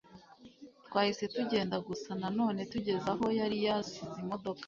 Twahise tugenda gusa na none tugeze aho yari yasize imodoka